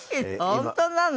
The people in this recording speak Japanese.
本当なの？